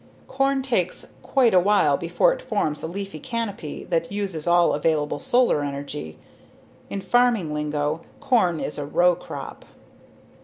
Corn takes quite a while before it forms a leaf canopy that uses all available solar energy. In farming lingo, corn is a "row crop."